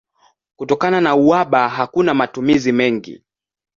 Kutokana na uhaba hakuna matumizi mengi.